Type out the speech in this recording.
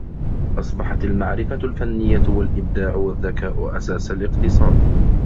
أصبحت المعرفة الفنية و الابداع و الذكاء أساس الإقتصاد